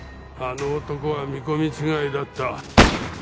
あの男は見込み違いだった。